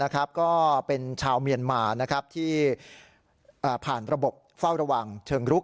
ก็เป็นชาวเมียนมาที่ผ่านระบบเฝ้าระวังเชิงรุก